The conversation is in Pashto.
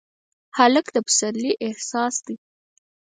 هلک د پسرلي احساس دی.